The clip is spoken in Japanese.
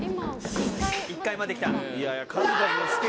１階まで来た。